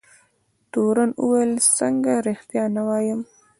تورن وویل څنګه رښتیا نه وایم.